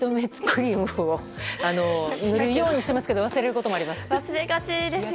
クリームを塗るようにしてますけど忘れることもあります。